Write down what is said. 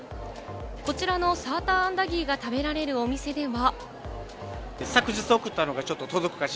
こちらのサーターアンダギーが食べられるお店では。